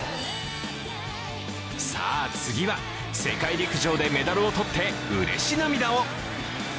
さあ、次は世界陸上でメダルを取って、うれし涙を。